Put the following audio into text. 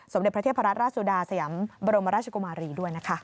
เด็จพระเทพรัตนราชสุดาสยามบรมราชกุมารีด้วยนะคะ